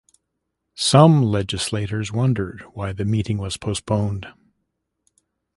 Some legislators wondered why the meeting was postponed.